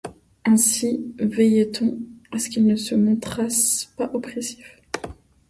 Ainsi veillait-on à ce qu'ils ne se montrassent pas oppressifs.